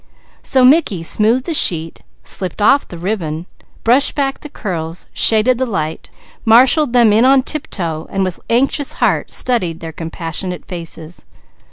So Mickey smoothed the sheet, slipped off the ribbon, brushed back the curls, shaded the light, marshalled them in on tiptoe, and with anxious heart studied their compassionate faces.